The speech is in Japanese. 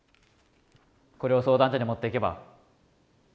これを相談所に持っていけば。